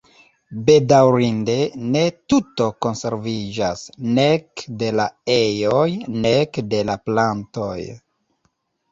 Bedaŭrinde ne tuto konserviĝas, nek de la ejoj nek de la plantoj.